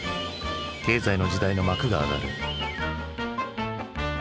経済の時代の幕が上がる。